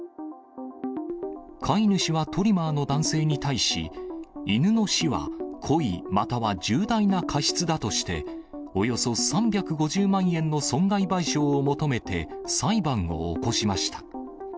飼い主はトリマーの男性に対し、犬の死は故意または重大な過失だとして、およそ３５０万円の損害賠償を求めて裁判を起こしました。